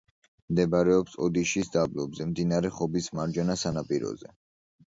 მდებარეობს ოდიშის დაბლობზე, მდინარე ხობის მარჯვენა სანაპიროზე.